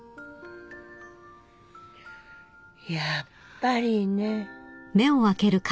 やっぱりね。